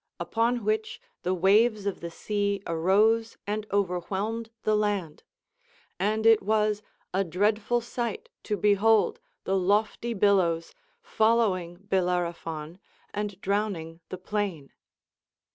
LTpon which the waves of the sea arose and overwhelmed the land, and it was a dreadful sight to behold the lofty billows following Bellero[)hon and drowning the plain.